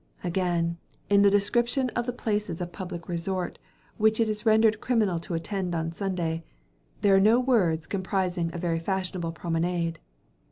Again, in the description of the places of public resort which it is rendered criminal to attend on Sunday, there are no words comprising a very fashionable promenade.